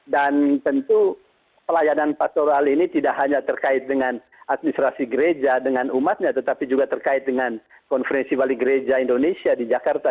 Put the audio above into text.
dan tentu pelayanan pastoral ini tidak hanya terkait dengan administrasi gereja dengan umatnya tetapi juga terkait dengan konferensi wali gereja indonesia di jakarta